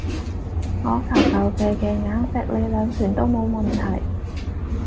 我求求其其硬食你兩拳都冇問題